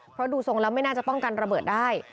เพราะดูทรงแล้วไม่น่าจะป้องกันระเบิดได้